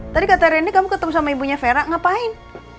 tadi kata rendy kamu ketemu sama ibunya vera ngapain